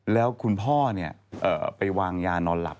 แล้วคุณพ่อไปวางยานอนหลับ